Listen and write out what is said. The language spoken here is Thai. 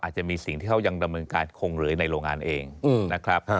จะมีสิ่งที่เขายังดำเนินการคงเหลือในโรงงานเองนะครับ